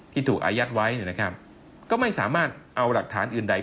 ที่ถูกอายัดไว้เนี่ยนะครับก็ไม่สามารถเอาหลักฐานอื่นใด